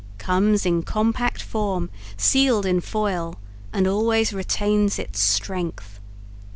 Comes in compact form, sealed in foil, and always retains its strength.